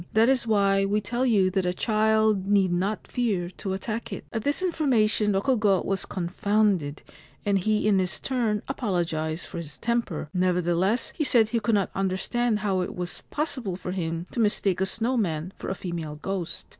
That is why we tell you that a child need not fear to attack it.' At this information Rokugo was confounded, and he in his turn apologised for his temper ; nevertheless, he said he could not understand how it was possible for him to mistake a snow man for a female ghost.